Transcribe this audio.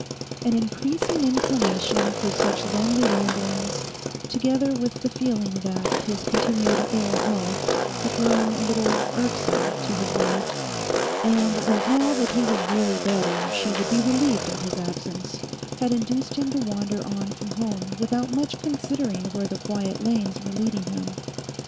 An increasing inclination for such lonely ramblings, together with the feeling that his continued ill health had grown a little irksome to his wife, and that now that he was really better she would be relieved at his absence, had induced him to wander on from home without much considering where the quiet lanes were leading him.